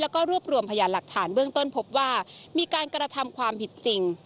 แล้วก็รวบรวมพยานหลักฐานเบื้องต้นพบว่ามีการกระทำความผิดจริง